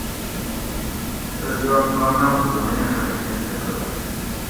سہۤ زیات کامیاب بُنایٔیں خلکیں تھیر دہ ہُوش